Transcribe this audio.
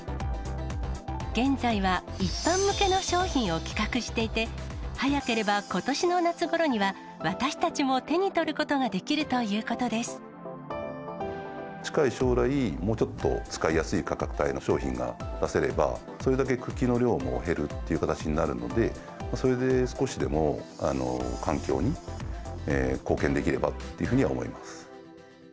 現在は一般向けの商品を企画していて、早ければことしの夏ごろには、私たちも手に取ることが近い将来、もうちょっと使いやすい価格帯の商品が出せれば、それだけ茎の量も減るっていう形になるので、それで少しでも環境に貢献できればっていうふうに思います。